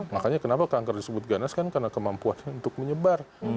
makanya kenapa kanker disebut ganas kan karena kemampuan untuk menyebar